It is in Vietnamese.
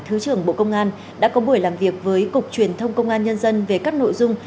thứ trưởng bộ công an đã có buổi làm việc với cục truyền thông công an nhân dân về các nội dung